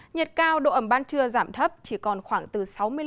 nhiệt cao độ ẩm ban trưa giảm thấp chỉ còn khoảng từ sáu mươi năm bảy mươi